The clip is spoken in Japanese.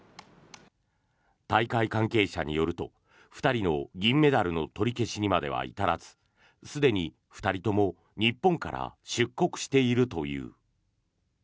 大会関係者によると２人の銀メダルの取り消しにまでは至らずすでに２人とも日本から出国しているという。